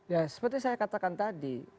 ya seperti saya katakan tadi